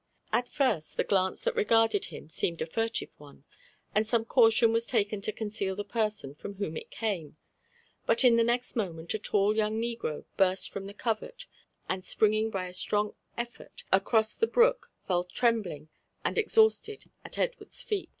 At first, the glance that regarded him seemed a furtive one, and some caution was taken to conceal the person from whom it came ; but in the next moment a tall young negro burst from the covert, and springing by a strong effort across the brook, fell trembling and ex hausted at Edward's feet.